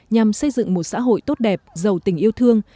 nhằm xây dựng một xã hội tốt đẹp giàu tình yêu thương